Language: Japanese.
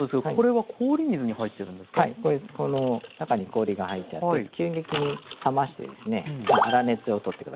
はいこの中に氷が入ってあって急激に冷ましてですね粗熱を取って下さい。